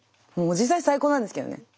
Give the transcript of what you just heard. もう実際最高なんですけどね。